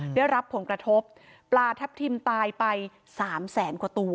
ได้รับผลกระทบปลาทับทิมตายไปสามแสนกว่าตัว